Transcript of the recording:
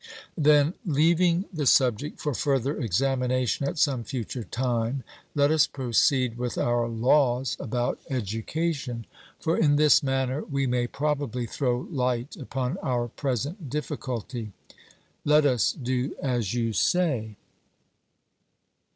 Then, leaving the subject for further examination at some future time, let us proceed with our laws about education, for in this manner we may probably throw light upon our present difficulty. 'Let us do as you say.'